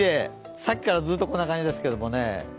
さっきからずっとこんな感じですけどね。